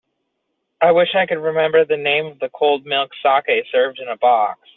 I wish I could remember the name of the cold milky saké served in a box.